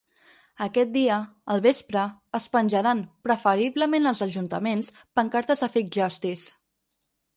Aquest dia, al vespre, es penjaran, preferiblement als ajuntaments, pancartes de “fake justice”.